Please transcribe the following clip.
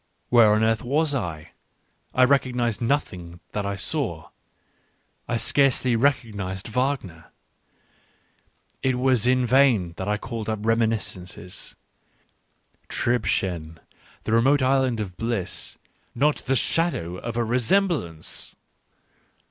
Where on earth was I ? I recognised nothing that I saw ; I scarcely recognised Wagner. It was in vain that I called up reminiscences. Tribschen — remote island of bliss : not the shadow of a resem blance